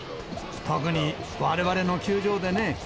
特にわれわれの球場でね。